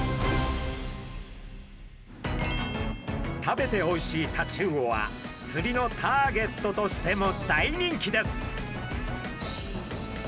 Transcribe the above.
食べておいしいタチウオはつりのターゲットとしても大人気です。